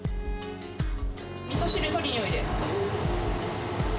みそ汁取りにおいで。